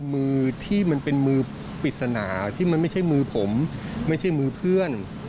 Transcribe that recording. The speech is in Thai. มือที่มันเป็นมือปริศนาที่มันไม่ใช่มือผมไม่ใช่มือเพื่อน